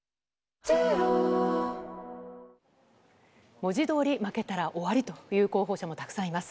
文字どおり、負けたら終わりという候補者もたくさんいます。